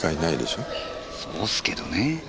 そうっすけどね。